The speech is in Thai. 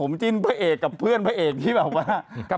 ผมจิ้นพระเอกกับเพื่อนพระเอกที่แบบว่า